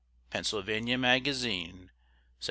Pennsylvania Magazine, 1775.